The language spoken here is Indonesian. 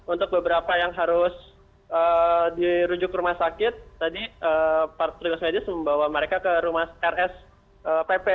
untuk beberapa yang harus dirujuk ke rumah sakit tadi para petugas medis membawa mereka ke rumah rspp